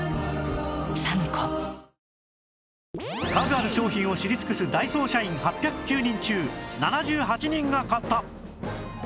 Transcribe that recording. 数ある商品を知り尽くすダイソー社員８０９人中７８人が買った